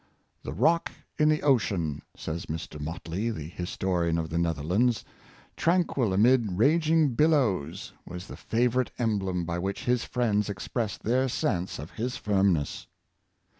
^' The rock in the ocean," says Mr. Motley, the historian of the Netherlands, " tran quil amid raging billows, was the favorite emblem by which his friends expressed their sense of his firmness."